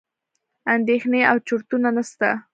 اندېښنې او چورتونه نسته.